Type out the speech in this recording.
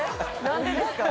何でですか？